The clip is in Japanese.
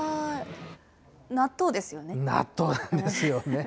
納豆なんですよね。